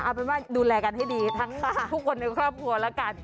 เอาเป็นว่าดูแลกันให้ดีทั้งทุกคนในครอบครัวแล้วกัน